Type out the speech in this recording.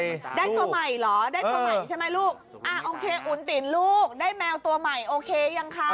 ได้ตัวใหม่เหรอได้ตัวใหม่ใช่ไหมลูกอ่าโอเคอุ่นตินลูกได้แมวตัวใหม่โอเคยังคะ